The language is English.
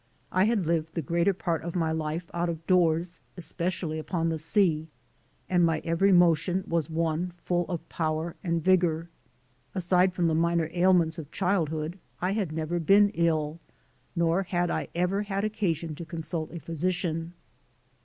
I had lived the greater part of my life out of doors, especially upon the sea, and my every motion was one full of power and vigor. Aside from the minor ailments of childhood I had never been ill, nor had I ever had occasion to consult a physician.